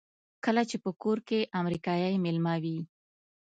کله چې په کور کې امریکایی مېلمه وي.